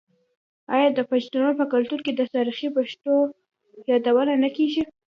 آیا د پښتنو په کلتور کې د تاریخي پیښو یادونه نه کیږي؟